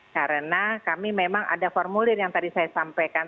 karena kami memang ada formulir yang tadi saya sampaikan